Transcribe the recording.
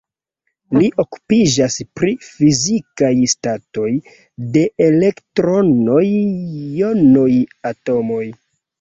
Li okupiĝas pri fizikaj statoj de elektronoj, jonoj, atomoj.